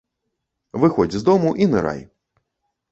Выходзь з дому і нырай.